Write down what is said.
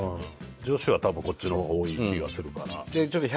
女子は多分こっちの方が多い気がするかな。